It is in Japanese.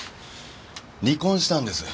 離婚したんです。